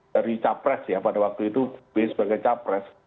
dari capres ya pada waktu itu b sebagai capres